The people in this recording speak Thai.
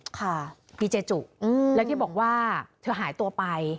ค่ะดีเจจุแล้วที่บอกว่าเธอหายตัวไป